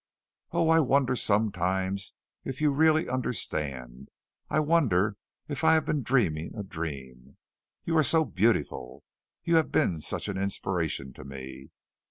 "Oh, I wonder sometimes if you really understand. I wonder if I have been dreaming a dream. You are so beautiful. You have been such an inspiration to me.